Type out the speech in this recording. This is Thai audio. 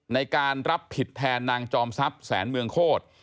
ในการรับผิดแทนนางจอมทรัพย์แสนเมืองโคตร